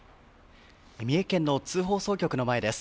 三重県の津放送局の前です。